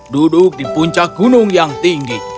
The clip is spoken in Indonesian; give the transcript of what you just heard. duduk di puncak gunung yang tinggi